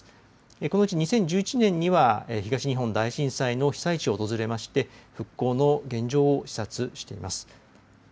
このうち２０１１年には東日本大震災の被災地を訪れまして、復興の現状を視察しています。